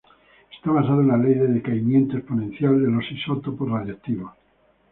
Está basado en la ley de decaimiento exponencial de los isótopos radiactivos.